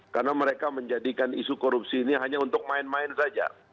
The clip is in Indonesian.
karena mereka menjadikan isu korupsi ini hanya untuk main main saja